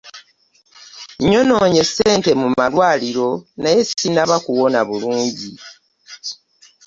Nyononye ssente mu malwaliro naye sinaba kuwoma bulungi.